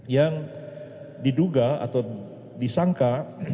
yang diduga atau disangka